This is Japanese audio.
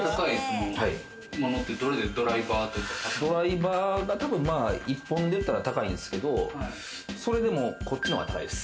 ドライバーは１本で言ったら高いんですけれど、それでもこっちのが高いです。